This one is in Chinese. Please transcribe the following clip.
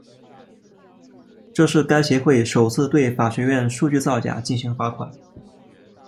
这是该协会首次对法学院数据造假进行罚款。